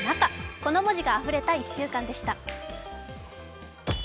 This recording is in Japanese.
この文字があふれた１週間でした。